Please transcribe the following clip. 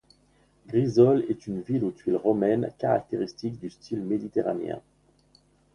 Grisolles est une ville aux tuiles romaines caractéristiques du style méditerranéen.